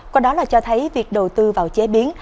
còn đó là cho thấy việc đầu tư vào chế biến